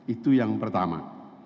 itu yang pertama